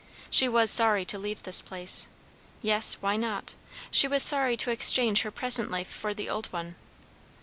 She was sorry to leave this place. Yes, why not? She was sorry to exchange her present life for the old one.